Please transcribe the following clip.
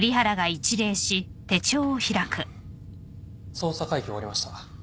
捜査会議終わりました。